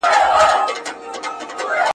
- انجینر دولت محمد دروازی، شاعر او څيړونکی.